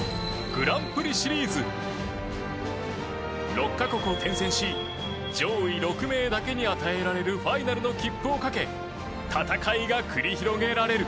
６カ国を転戦し上位６名だけに与えられるファイナルの切符をかけ戦いが繰り広げられる。